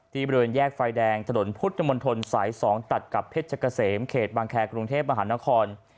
บริเวณแยกไฟแดงถนนพุทธมนตรสาย๒ตัดกับเพชรเกษมเขตบางแครกรุงเทพมหานคร